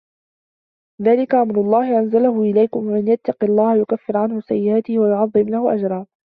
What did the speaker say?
ذلِكَ أَمرُ اللَّهِ أَنزَلَهُ إِلَيكُم وَمَن يَتَّقِ اللَّهَ يُكَفِّر عَنهُ سَيِّئَاتِهِ وَيُعظِم لَهُ أَجرًا